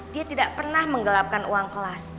dia tidak pernah menggelapkan uang kelas